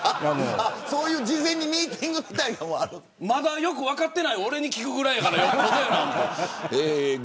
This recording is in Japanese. そういう事前にミーティングみたいなのがまだよく分かってない俺に聞くぐらいだから。